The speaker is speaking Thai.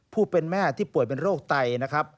ผู้เป็นแม่ที่ป่วยเป็นโรคไตนะครับ